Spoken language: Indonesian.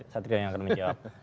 satu kali yang akan menjawab